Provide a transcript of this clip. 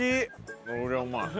これはうまい。